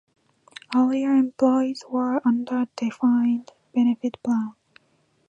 Earlier employees were under Defined Benefit Plan.